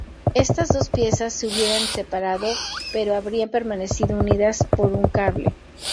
Estas dos piezas se hubieran separado pero habrían permanecido unidas por un cable.